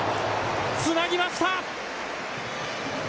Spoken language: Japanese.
つなぎました！